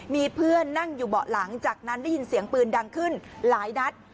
มีเพื่อนนั่งอยู่เบาะหลังจากนั้นได้ยินเสียงปืนดังขึ้นหลายนัด